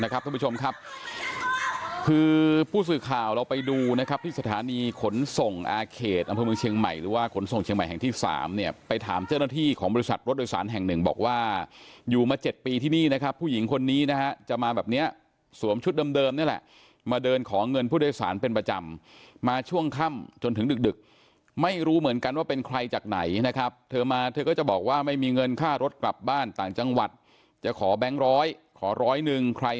คุณผู้ชมครับคือผู้สื่อข่าวเราไปดูนะครับที่สถานีขนส่งอาเขตอันพมือเชียงใหม่หรือว่าขนส่งเชียงใหม่แห่งที่๓เนี่ยไปถามเจ้าหน้าที่ของบริษัทรถโดยสารแห่ง๑บอกว่าอยู่มา๗ปีที่นี่นะครับผู้หญิงคนนี้นะฮะจะมาแบบเนี้ยสวมชุดเดิมนี่แหละมาเดินขอเงินผู้โดยสารเป็นประจำมาช่วงค่ำจนถึงด